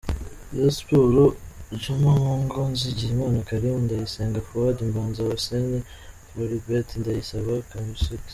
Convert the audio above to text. Rayon sport: Juma Mpongo, Nzigiyimana Karim, Ndayisenga Faudi, Mbanza Hussein, Floribert Ndayisaba, Khamiss Cedirike.